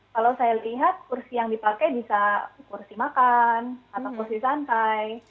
kalau saya lihat kursi yang dipakai bisa kursi makan atau porsi santai